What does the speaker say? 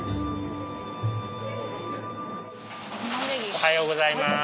おはようございます。